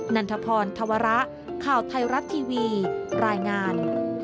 นันทพรธวระข่าวไทยรัฐทีวีรายงาน